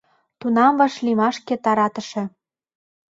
Тунам вашлиймашке таратыше